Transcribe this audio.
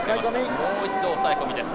もう一度、抑え込みです。